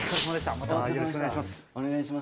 またよろしくお願いします。